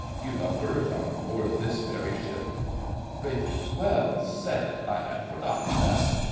You've a berth on board this very ship. RALPH. Well said—I had forgotten that.